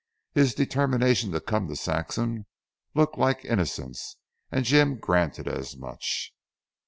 His determination to come to Saxham looked like innocence, and Jim granted as much.